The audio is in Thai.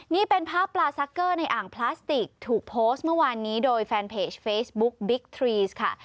นี่เป็นภาพปลาซักเกอร์ในอ่างพลาสติกถูกโพสต์เมื่อวานนี้โดยแฟนเพจเฟซบุ๊กบิ๊กทรีสค่ะ